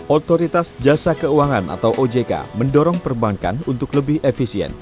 otoritas jasa keuangan atau ojk mendorong perbankan untuk lebih efisien